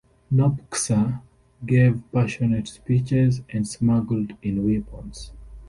Nopcsa gave passionate speeches and smuggled in weapons.